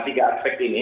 tiga aspek ini